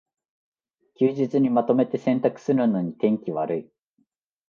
休日にまとめて洗濯するのに天気悪い